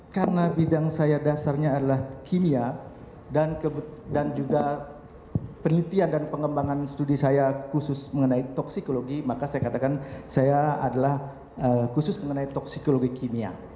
karena bidang saya dasarnya adalah kimia dan juga penelitian dan pengembangan studi saya khusus mengenai toksikologi maka saya katakan saya adalah khusus mengenai toksikologi kimia